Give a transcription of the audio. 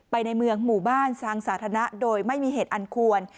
ในเมืองหมู่บ้านทางสาธารณะโดยไม่มีเหตุอันควร